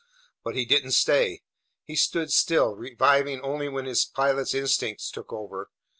But he didn't say. He stood still, reviving only when his pilot's instincts took over.